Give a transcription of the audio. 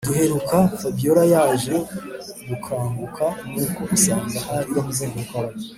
duheruka fabiora yaje gukanguka nuko asanga hari